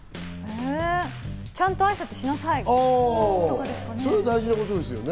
ちゃんと挨拶しなさいとかですかね。